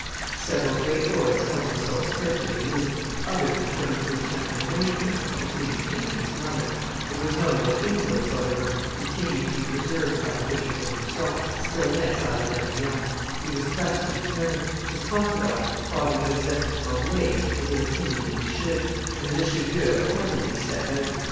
Several great lords held themselves carefully aloof; others determined to attempt an arrangement between the king and his mother; it was known what influence over her continued to be preserved by the Bishop of Lucon, still in exile at Avignon; he was pressed to return; his confidant, Father Joseph du Tremblay, was of opinion that he should; and Richelieu, accordingly, set out.